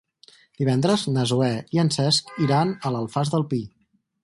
Divendres na Zoè i en Cesc iran a l'Alfàs del Pi.